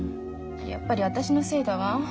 やっぱり私のせいだわ。